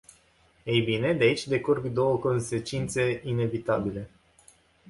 Ei bine, de aici decurg două consecințe inevitabile.